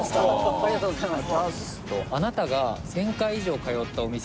ありがとうございます。